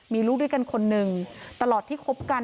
มีลูกด้วยกันคนหนึ่งตลอดที่คบกัน